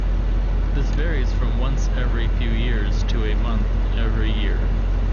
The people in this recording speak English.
This varies from once every few years to a month every year.